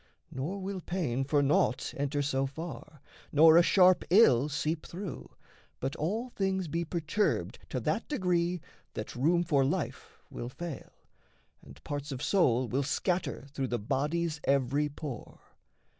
Nor will pain for naught Enter so far, nor a sharp ill seep through, But all things be perturbed to that degree That room for life will fail, and parts of soul Will scatter through the body's every pore.